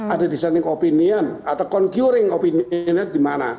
ada disanding opinion atau concurring opinionnya di mana